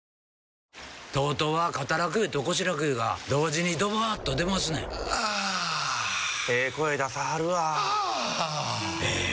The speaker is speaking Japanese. ＴＯＴＯは肩楽湯と腰楽湯が同時にドバーッと出ますねんあええ声出さはるわあええ